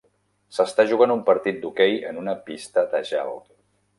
S'està jugant un partit d'hoquei en una pista de gel.